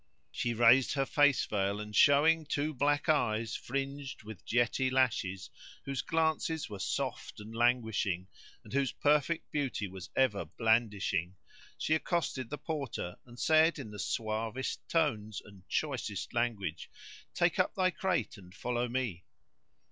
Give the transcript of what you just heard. She raised her face veil[FN#139] and, showing two black eyes fringed with jetty lashes, whose glances were soft and languishing and whose perfect beauty was ever blandishing, she accosted the Porter and said in the suavest tones and choicest language, "Take up thy crate and follow me."